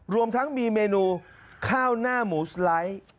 รวมทั้งมีเมนูข้าวหน้าหมูสไลด์